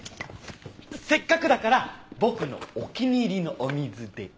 せっかくだから僕のお気に入りのお水で。